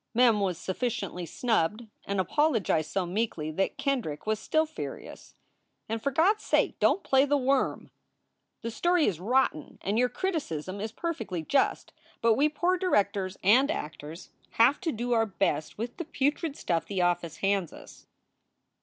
Mem was sufficiently snubbed, and apologized so meekly that Kendrick was still furious. "And for God s sake don t play the worm! The story is rotten and your criticism is perfectly just, but we poor directors and actors have to do our best with the putrid stuff the office hands us.